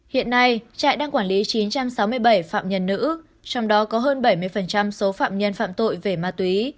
hiện nay trại đang quản lý chín trăm sáu mươi bảy phạm nhân nữ trong đó có hơn bảy mươi số phạm nhân phạm tội về ma túy